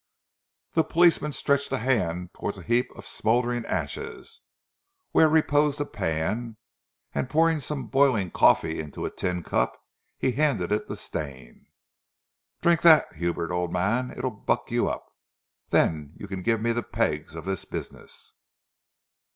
The policeman stretched a hand towards a heap of smouldering ashes, where reposed a pan, and pouring some boiling coffee into a tin cup, handed it to Stane. "Drink that, Hubert, old man, it'll buck you up. Then you can give me the pegs of this business."